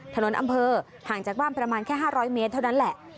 อำเภอห่างจากบ้านประมาณแค่๕๐๐เมตรเท่านั้นแหละ